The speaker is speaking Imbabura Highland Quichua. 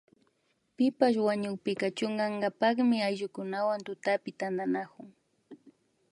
Pipash wañukpika chunkankapami ayllukuna tutapi tantanakun